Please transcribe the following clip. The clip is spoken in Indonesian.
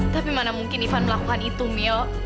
tapi mana mungkin ivan melakukan itu mil